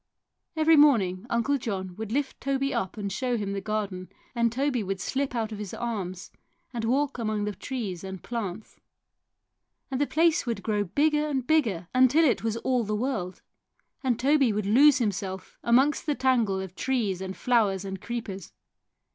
Every morning Uncle John would lift Toby up and show him the garden, and Toby would slip out of his arms and walk among the trees and plants. And the place would grow bigger and bigger until it was all the world, and Toby would lose himself amongst the tangle of trees and flowers and creepers.